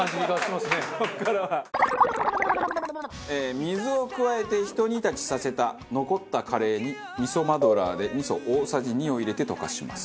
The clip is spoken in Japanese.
水を加えてひと煮立ちさせた残ったカレーに味噌マドラーで味噌大さじ２を入れて溶かします。